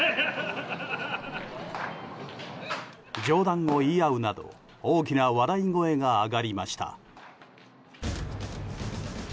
冗談を言い合うなど大きな笑い声が上がりました。